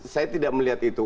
saya tidak melihat itu